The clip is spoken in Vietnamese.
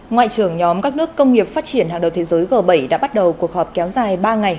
ngoại trưởng nhóm các nước công nghiệp phát triển hàng đầu thế giới g bảy đã bắt đầu cuộc họp kéo dài ba ngày